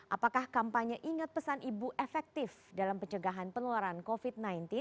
apakah kampanye ingat pesan ibu efektif dalam pencegahan penularan covid sembilan belas